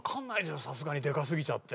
さすがにでかすぎちゃって。